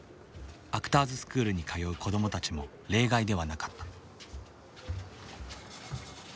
アクターズスクールに通う子どもたちも例外ではなかった。